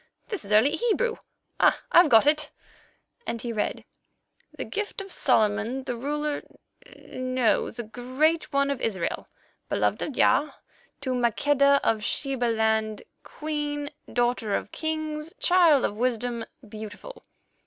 this is early Hebrew. Ah! I've got it," and he read: "'The gift of Solomon the ruler—no, the Great One—of Israel, Beloved of Jah, to Maqueda of Sheba land, Queen, Daughter of Kings, Child of Wisdom, Beautiful.